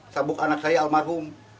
sabuk anak saya almarhum